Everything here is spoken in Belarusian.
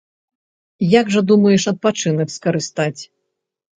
Як жа думаеш адпачынак скарыстаць?